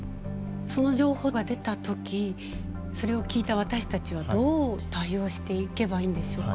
その情報が出た時それを聞いた私たちはどう対応していけばいいんでしょうか？